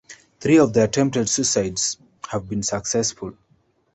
Three of the attempted suicides have been successful.